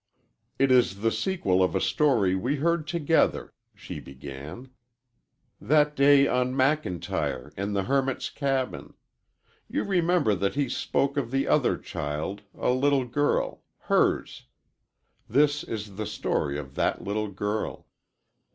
"It is the sequel of a story we heard together," she began, "that day on McIntyre, in the hermit's cabin. You remember that he spoke of the other child a little girl hers. This is the story of that little girl.